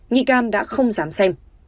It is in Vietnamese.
nghị can đã không dám xem